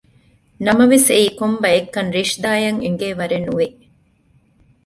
ނަމަވެސް އެއީ ކޮންބައެއްކަން ރިޝްދާއަށް އެނގޭވަރެއް ނުވި